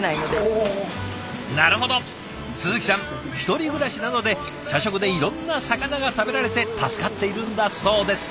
１人暮らしなので社食でいろんな魚が食べられて助かっているんだそうです。